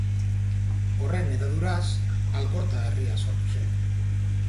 Horren hedaduraz, Algorta herria sortu zen.